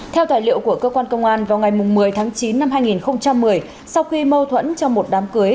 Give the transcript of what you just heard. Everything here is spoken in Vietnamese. theo tài liệu của cơ quan công an vào ngày một mươi tháng chín năm hai nghìn một mươi sau khi mâu thuẫn trong một đám cưới